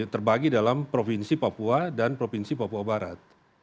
terbagi dalam provinsi papua dan provinsi papua barat